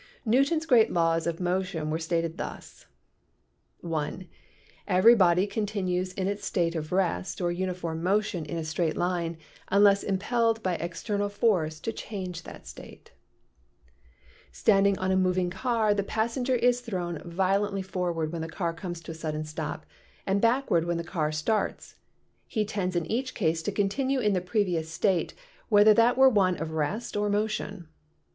Newton's great Laws of Motion were stated thus: ( i ) Every body continues in its state of rest or uniform motion in a straight line unless impelled by external force to change that state. Fig. 6 — Gravitation Drawing, Ascribed to the Pen of Sir Isaac Newton. Standing on a moving car, the passenger is thrown vio lently forward when the car comes to a sudden stop and backward when the car starts; he tends in each case to continue in the previous state, whether that were one of rest or motion.